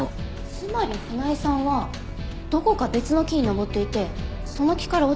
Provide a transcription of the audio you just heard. つまり船井さんはどこか別の木に登っていてその木から落ちて死亡した。